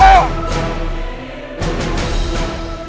ไอ้